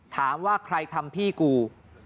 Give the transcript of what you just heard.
ถามว่าใครทำพี่กู